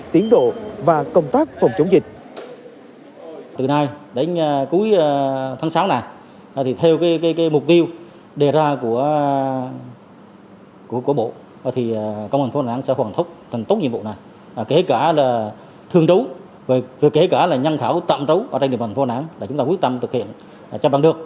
tiến độ và công tác phòng chống dịch